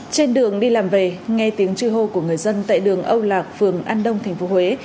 trên đường đi làm về nghe tiếng truy hô của người dân tại đường âu lạc phường an đông tp huế